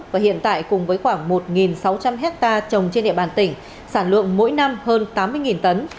và hiện tại cùng với khoảng một sáu trăm linh hectare trồng trên địa bàn tỉnh sản lượng mỗi năm hơn tám mươi tấn